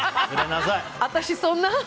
私、そんな？